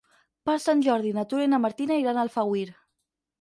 Per Sant Jordi na Tura i na Martina iran a Alfauir.